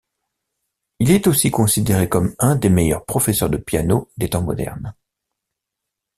Il est aussi considéré comme un des meilleurs professeurs de piano des temps modernes.